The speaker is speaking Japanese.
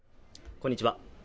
こんにちは